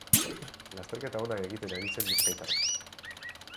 Lasterketa ona egiten ari zen bizkaitarra.